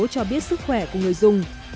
cho biết sức khỏe của người dùng